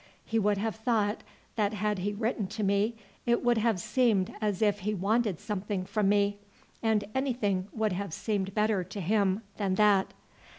He would have thought that had he written to me it would have seemed as if he wanted something from me, and anything would have seemed better to him than that.